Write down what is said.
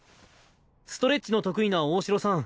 ストレッチの得意な大城さん